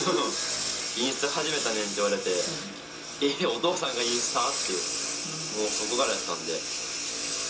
「インスタ始めたねん」って言われて「えっ？お父さんがインスタ！？」っていうそこからやったんで。